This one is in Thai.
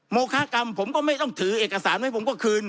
โมคากรรมผมก็ไม่ต้องถือเอกสารไว้ผมก็คืน